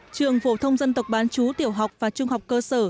trường phổ thông dân tộc bán chú tiểu học và trung học cơ sở